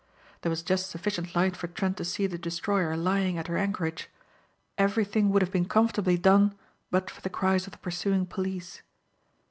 There was just sufficient light for Trent to see the destroyer lying at her anchorage. Everything would have been comfortably done but for the cries of the pursuing police.